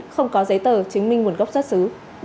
không có giấy tờ chứng minh nguồn gốc xuất xứ